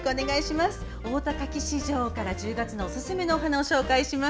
大田花き市場から１０月のおすすめのお花をお伝えします。